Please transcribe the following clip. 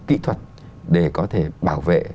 kỹ thuật để có thể bảo vệ